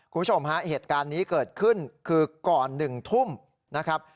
คุณผู้ชมฮะเหตุการณ์นี้เกิดขึ้นคือก่อน๑ทุ่มนะครับ